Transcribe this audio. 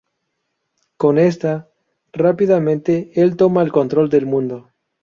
Con esta, rápidamente el toma el control del mundo.